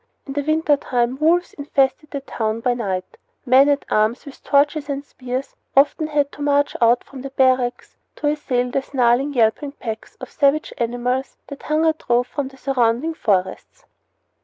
In the winter time wolves infested the town by night. Men at arms, with torches and spears, often had to march out from their barracks to assail the snarling, yelping packs of savage animals that hunger drove from the surrounding forests.